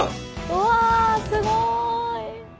うわすごい！